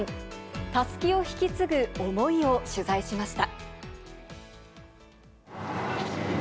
たすきを引き継ぐ思いを取材しました。